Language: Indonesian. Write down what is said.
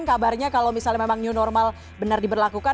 kabarnya kalau misalnya memang new normal benar diberlakukan